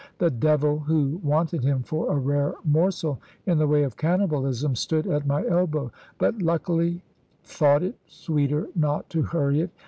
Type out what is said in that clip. The devil, who wanted him for a rare morsel in the way of cannibalism, stood at my elbow; but luckily thought it sweeter not to hurry it.